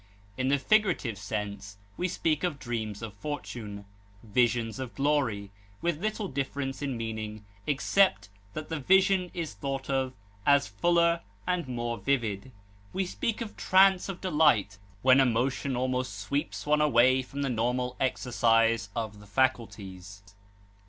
In the figurative sense, we speak of dreams of fortune, visions of glory, with little difference of meaning except that the vision is thought of as fuller and more vivid. We speak of a trance of delight when the emotion almost sweeps one away from the normal exercise of the faculties.